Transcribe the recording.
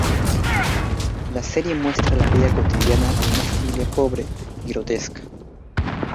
La serie muestra la vida cotidiana de una familia pobre y grotesca.